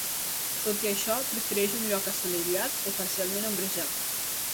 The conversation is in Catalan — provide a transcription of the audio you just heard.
Tot i això, prefereix un lloc assolellat o parcialment ombrejat.